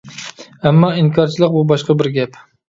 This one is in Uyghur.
ئەمما ئىنكارچىلىق بۇ باشقا بىر گەپ!